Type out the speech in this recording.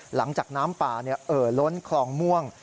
หลังจากน้ำป่าเอ่อล้นคลองม่วง